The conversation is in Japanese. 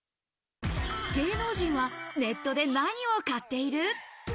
芸能人がネットで何を買っている？